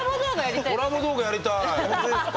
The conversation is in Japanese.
コラボ動画やりたいですか？